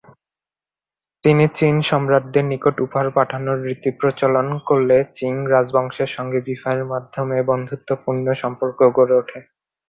তিনি চীন সম্রাটদের নিকট উপহার পাঠানোর রীতি প্রচলন করলে চিং রাজবংশের সঙ্গে বিহারের মধ্যে বন্ধুত্বপূর্ণ সম্পর্ক গড়ে ওঠে।